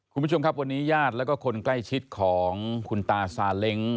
คุณผู้ชมครับวันนี้ญาติแล้วก็คนใกล้ชิดของคุณตาซาเล้ง